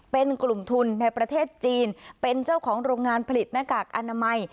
เป็นกลุ่มทุนในประเทศจีนเป็นเจ้าของโรงงานผลิตหน้ากากอนามัย